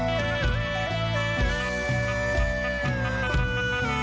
องค์ดำเสียงสิริจันทรา